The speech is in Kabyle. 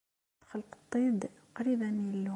Txelqeḍ-t-id qrib am Yillu.